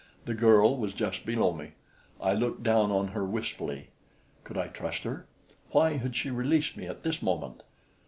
The girl was just below me. I looked down on her wistfully. Could I trust her? Why had she released me at this moment?